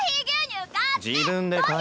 自分で買え。